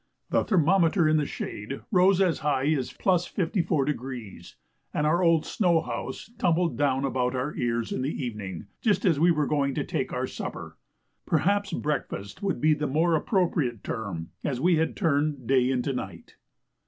The thermometer in the shade rose as high as +54°, and our old snow house tumbled down about our ears in the evening, just as we were going to take our supper, perhaps breakfast would be the more appropriate term, as we had turned day into night.